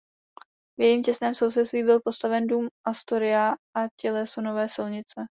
V jejím těsném sousedství byl postaven dům Astoria a těleso nové silnice.